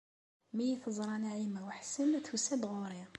Mi iyi-teẓra Naɛima u Ḥsen, tusa-d ɣur-i.